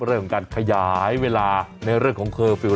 เรื่องของการขยายเวลาในเรื่องของเคอร์ฟิลล